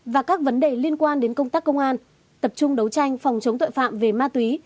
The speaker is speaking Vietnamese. và các vấn đề liên quan đến công tác công an tập trung đấu tranh phòng chống tội phạm về ma túy